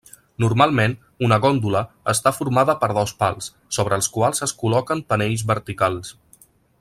Normalment, una góndola està formada per dos pals, sobre els quals es col·loquen panells verticals.